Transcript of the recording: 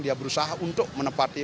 dia berusaha untuk menepati